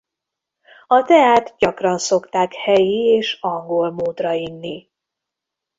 A teát gyakran szokták helyi és angol módra inni.